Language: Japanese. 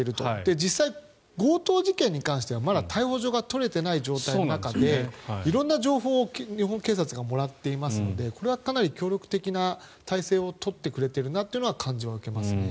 実際、強盗事件に関してはまだ逮捕状が取れていない状況の中で色んな情報を日本警察がもらっていますのでこれはかなり協力的な態勢を取ってくれているなというのは感じ分けます。